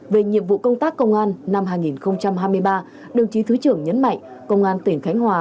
về nhiệm vụ công tác công an năm hai nghìn hai mươi ba đồng chí thứ trưởng nhấn mạnh công an tỉnh khánh hòa